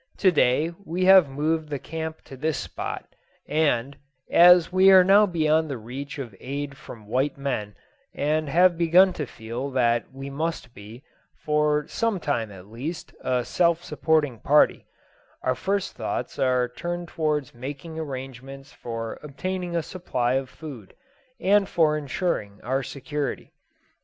To day we have moved the camp to this spot; and, as we are now beyond the reach of aid from white men, and have begun to feel that we must be, for some time at least, a self supporting party, our first thoughts are turned towards making arrangements for obtaining a supply of food, and for ensuring our security.